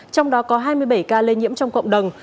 trong đó có hai mươi bảy ca lây nhiễm trong cộng đồng